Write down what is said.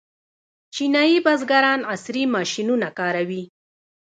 چینايي بزګران عصري ماشینونه کاروي.